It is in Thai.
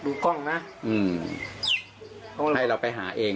ดูกล้องนะให้เรายังไปหาเอง